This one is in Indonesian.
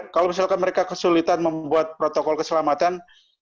kalau misalkan mereka kesulitan membuat protokol keselamatan